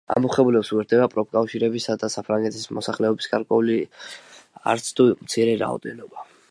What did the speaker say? ამბოხებულებს უერთდება პროფკავშირები და საფრანგეთის მოსახლეობის გარკვეული, არც თუ მცირე რაოდენობა.